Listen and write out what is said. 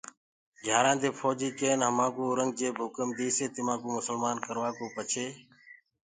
گھيآرآنٚ دي ڦوجيٚ ڪين همآنٚڪو اورنٚگجيب هُڪم ديسي تمآنٚڪو مُسلمآن ڪروآڪو پڇي